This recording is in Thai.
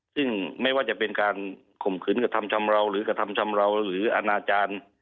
ซึ่งไม่ว่าจะเป็นการข่มขืนกระทำชำราวหรือกระทำชำราวหรืออนาจารย์